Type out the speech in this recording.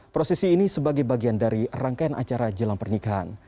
prosesi ini sebagai bagian dari rangkaian acara jelang pernikahan